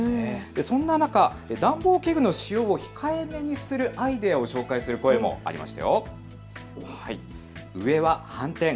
そんな中、暖房器具の使用を控えめにするアイデアを紹介する声もありました。